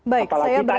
baik saya beralih